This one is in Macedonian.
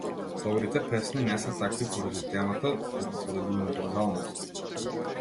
Добрите песни не се такви поради темата, туку поради универзалноста.